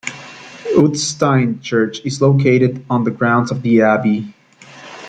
Utstein Church is located on the grounds of the abbey.